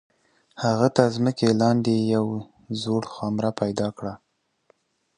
هغه تر مځکي لاندي یو زوړ خمره پیدا کړه.